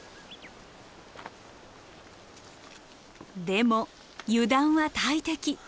でも油断は大敵。